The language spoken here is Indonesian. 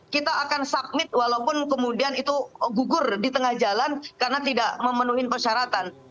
kita akan submit walaupun kemudian itu gugur di tengah jalan karena tidak memenuhi persyaratan